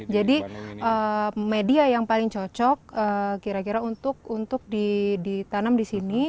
jadi media yang paling cocok kira kira untuk ditanam di sini